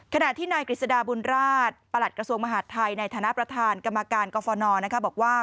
ขณะที่นายกฤษฎาบุญราชประหลัดกระทรวงมหาดไทยในฐานะประธานกรรมการกรฟนบอกว่า